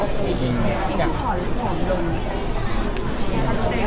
ผ่านหรือผอมลง